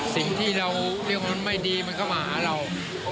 สิ่งที่เราเรียกว่ามันไม่ดีมันก็มาหาเรา